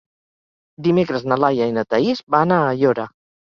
Dimecres na Laia i na Thaís van a Aiora.